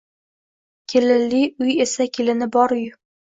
Kelinli uy esa kelini bor uy